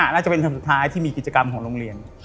น่าจะเป็นเทิมสุดท้ายที่มีกิจกรรมของโรงเรียน